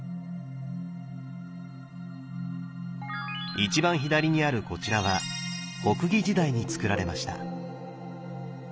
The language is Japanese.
一番左にあるこちらは北魏時代につくられました。